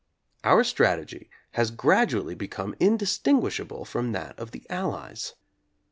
Our strategy has gradually become indistinguishable from that of the Allies.